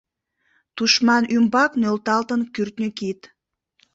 Тушман ӱмбак нӧлталтын кӱртньӧ кид.